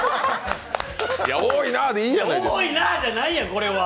多いなーじゃないやん、これは！